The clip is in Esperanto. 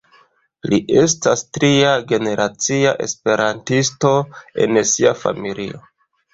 Li estas tria-generacia esperantisto en sia familio.